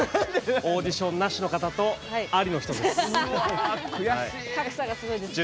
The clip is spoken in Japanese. オーディションなしの方とありの人です。